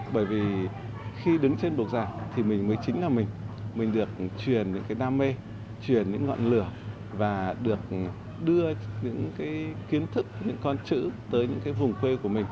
bởi vì khi đứng trên bục giảng thì mình mới chính là mình được truyền những cái đam mê truyền những ngọn lửa và được đưa những cái kiến thức những con chữ tới những cái vùng quê của mình